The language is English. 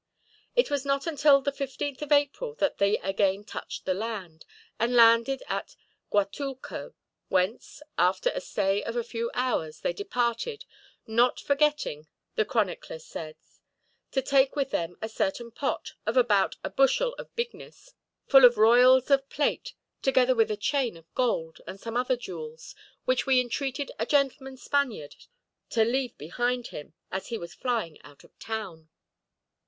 It was not until the 15th of April that they again touched the land, and landed at Guatulco; whence, after a stay of a few hours, they departed; "not forgetting," the chronicler says, "to take with them a certain pot, of about a bushel in bigness, full of royals of plate, together with a chain of gold, and some other jewels; which we entreated a gentleman Spaniard to leave behind him, as he was flying out of town."